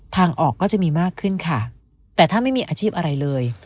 ทางออกก็จะมีมากขึ้นค่ะแต่ถ้าไม่มีอาชีพอะไรเลย